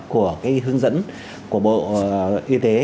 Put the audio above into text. của cái hướng dẫn của bộ y tế